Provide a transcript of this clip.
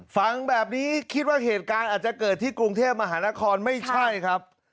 ฟังแบบนี้คิดว่าเหตุการณ์อาจจะเกิดที่กรุงเทพมหานครไม่ใช่ครับ